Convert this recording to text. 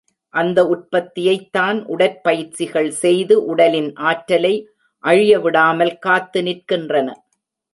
அந்த உற்பத்தியைத் தான் உடற்பயிற்சிகள் செய்து உடலின் ஆற்றலை அழியவிடாமல் காத்து நிற்கின்றன.